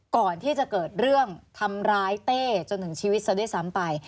ก่อนที่จะเกิดเรื่องทำร้ายเต้จนถึงชีวิตซะด้วยซ้ำไป